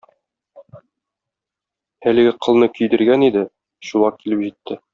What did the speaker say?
Әлеге кылны көйдергән иде, Чулак килеп җитте.